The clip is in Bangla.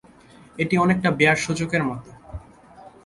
এটি অনেকটা বেয়ার সূচকের মত।